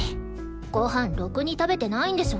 ごはんろくに食べてないんでしょ？